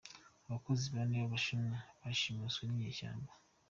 Abakozi bane b’Abashinwa bashimuswe n’inyeshyamba